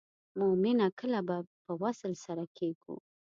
مومنه کله به په وصل سره کیږو.